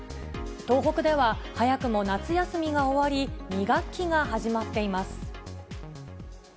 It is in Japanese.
東北では、早くも夏休みが終わり、２学期が始まっています。